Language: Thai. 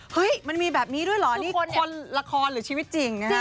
มันมีแบบนี้ด้วยเหรอนี่คนละครหรือชีวิตจริงนะฮะ